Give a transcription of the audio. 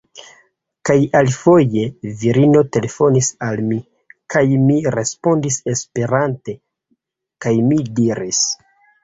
Kaj alifoje, virino telefonis al mi, kaj mi respondis Esperante, kaj mi diris: